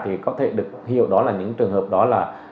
thì có thể được hiểu đó là những trường hợp đó là